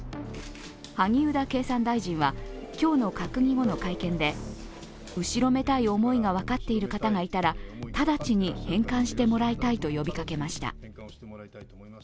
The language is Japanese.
萩生田経産大臣は今日の閣議後の会見で、後ろめたい思いが分かっている方がいたら直ちに返還してもらいたいと呼びかけました。